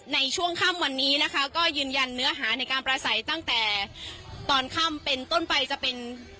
ในช่วงค่ำวันนี้นะคะก็ยืนยันเนื้อหาในการประสัยตั้งแต่ตอนค่ำเป็นต้นไปจะเป็น